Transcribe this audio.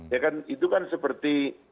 ya kan itu kan seperti